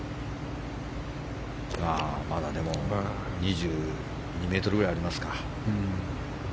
まだ２２ｍぐらいありますか。